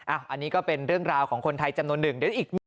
อันนี้ก็เป็นเรื่องราวของคนไทยจำนวนหนึ่งเดี๋ยวอีกมุม